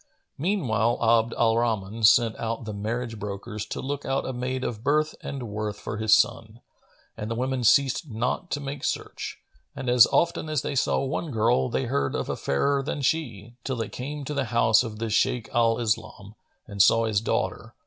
Meanwhile Abd al Rahman sent out the marriage brokers to look out a maid of birth and worth for his son, and the women ceased not to make search, and as often as they saw one girl, they heard of a fairer than she, till they came to the house of the Shaykh al Islam[FN#445] and saw his daughter.